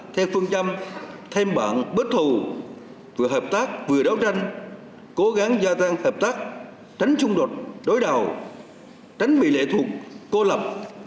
theo phương châm thêm bạn bớt thù vừa hợp tác vừa đấu tranh cố gắng gia tăng hợp tác tránh xung đột đối đầu tránh bị lệ thuộc cô lập